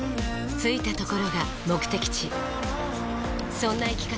着いたところが目的地そんな生き方